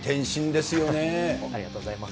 ありがとうございます。